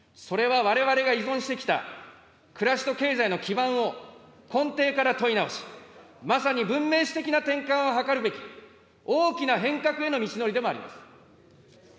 それはわれわれが依存してきた、暮らしと経済の基盤を根底から問い直し、まさに文明史的な転換を図るべき、大きな変革への道のりでもあります。